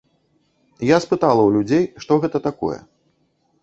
Я спытала ў людзей, што гэта такое.